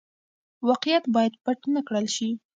واقعيت بايد پټ نه کړل شي.